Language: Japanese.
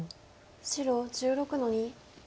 白１６の二。